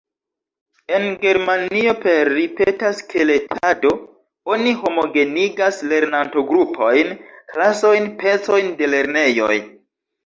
En Germanio per ripeta selektado oni homogenigas lernanto-grupojn, klasojn, pecojn de lernejoj.